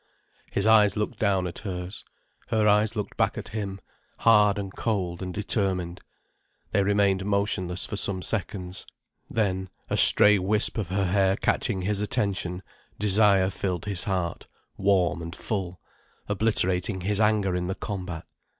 His eyes looked down at hers. Her eyes looked back at him, hard and cold and determined. They remained motionless for some seconds. Then, a stray wisp of her hair catching his attention, desire filled his heart, warm and full, obliterating his anger in the combat.